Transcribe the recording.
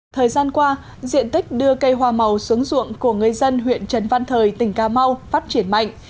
thời gian qua diện tích đưa cây hoa màu xuống ruộng của người dân huyện trần văn thời tỉnh cà mau phát triển mạnh